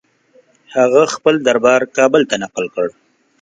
هغه خپل دربار کابل ته نقل کړ.